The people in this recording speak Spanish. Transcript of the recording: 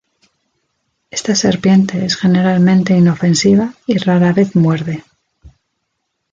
Esta serpiente es generalmente inofensiva y rara vez muerde.